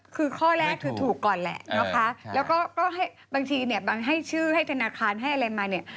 คือข้อแรกคือถูกก่อนแหละนะคะแล้วก็ให้บางทีเนี่ยบางให้ชื่อให้ธนาคารให้อะไรมาเนี่ย